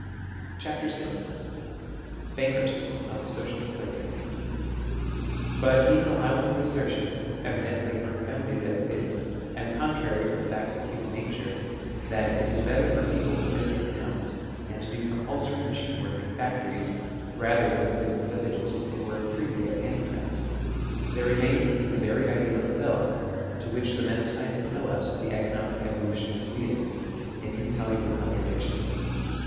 CHAPTEE VI BANKKUPTCY OE THE SOCIALIST IDEAL BUT even allowing the assertion (evidently unfounded as it is, and contrary to the facts of human nature), that it is better for people to live in towns and to do compulsory machine work in factories, rather than to live in villages and work freely at handicrafts there remains in the very ideal itself, to which the men of science tell us the economic evolution is leading, an insoluble contradiction.